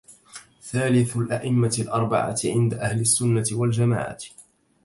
ثالث الأئمة الأربعة عند أهل السنة والجماعة